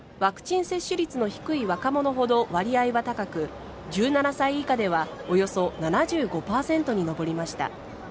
ワクチン接種率の低い若者ほど割合は高く１７歳以下ではおよそ７５％に上りました。